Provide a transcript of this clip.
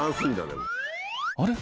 「あれ？